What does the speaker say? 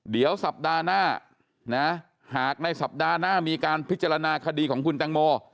เดี๋ยวสัปดาห์หน้าหากในสัปดาห์หน้ามีการพิจารณาคดีของคุณตังโม